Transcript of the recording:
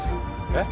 えっ？